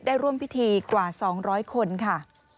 ร่วมพิธีกว่า๒๐๐คนค่ะ